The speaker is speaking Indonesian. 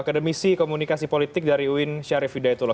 akademisi komunikasi politik dari uin syarif hidayatullah